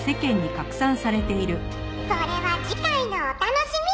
「それは次回のお楽しみ！」